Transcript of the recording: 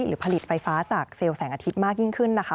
หรือผลิตไฟฟ้าจากเซลล์แสงอาทิตย์มากยิ่งขึ้นนะคะ